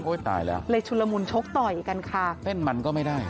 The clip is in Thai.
ตายแล้วเลยชุลมุนชกต่อยกันค่ะเต้นมันก็ไม่ได้